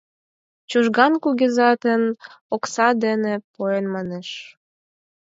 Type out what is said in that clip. Чужган кугызат еҥ окса дене поен манеш.